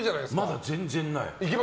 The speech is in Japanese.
まだ全然ない。